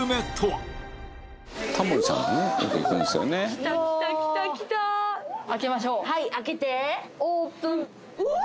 はい開けてオープンうわ！